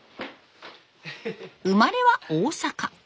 生まれは大阪。